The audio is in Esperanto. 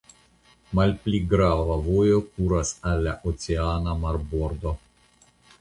Malpli grava vojo kuras al la oceana marbordo.